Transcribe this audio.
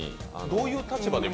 どういう立場で？